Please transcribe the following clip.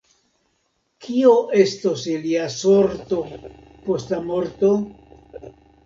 Kio estos ilia sorto post la morto?